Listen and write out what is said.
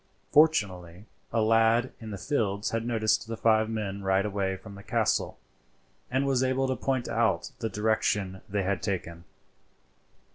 Fortunately a lad in the fields had noticed the five men ride away from the castle, and was able to point out the direction they had taken.